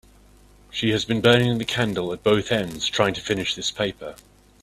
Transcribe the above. She has been burning the candle at both ends trying to finish this paper.